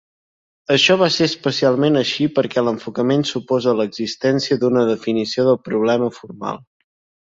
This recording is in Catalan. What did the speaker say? Això va ser especialment així perquè l'enfocament suposa l'existència d'una definició del problema formal.